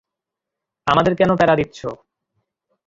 আমাদের কেন প্যারা দিচ্ছো?